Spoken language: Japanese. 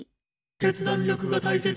「決断力が大切」